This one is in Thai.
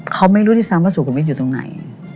เขาไม่รู้ที่ซ้ำว่าสูกลมิตอยู่ตรงไหน